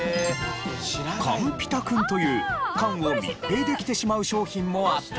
缶ピタくんという缶を密閉できてしまう商品もあったようです。